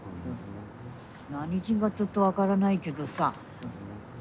何人かちょっと分からないけどさ。